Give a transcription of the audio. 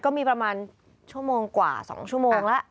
ก็มีประมาณชั่วโมงกว่า๒ชั่วโมงแล้ว